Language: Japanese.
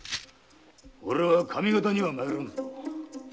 俺は上方には参らぬぞ。